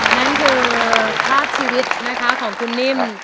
นั่นคือภาพชีวิตนะคะของคุณนิ่ม